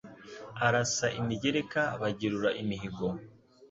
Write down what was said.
Arasa imigereka bagerura imihigo